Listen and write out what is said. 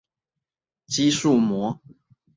肌束膜。